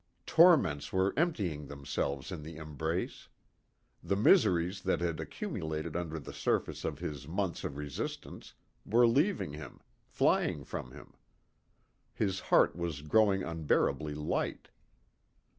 Torments were emptying themselves in the embrace. The miseries that had accumulated under the surface of his months of resistance, were leaving him, flying from him. His heart was growing unbearably light.